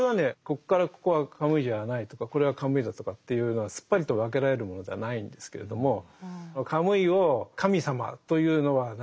ここからここはカムイじゃないとかこれはカムイだとかっていうのはすっぱりと分けられるものではないんですけれどもカムイを「神様」というのはなんだと。